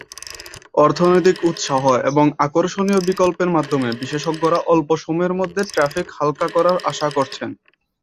অর্থনৈতিক উত্সাহ এবং আকর্ষণীয় বিকল্পের মাধ্যমে বিশেষজ্ঞরা অল্প সময়ের মধ্যে ট্র্যাফিক হালকা করার আশা করছেন।